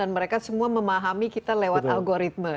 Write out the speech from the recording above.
dan mereka semua memahami kita lewat algoritma